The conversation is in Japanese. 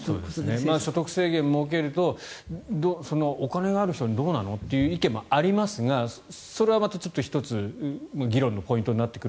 所得制限を設けるとお金がある人にどうなの？っていう意見もありますがそれはまた１つ議論のポイントになってくる。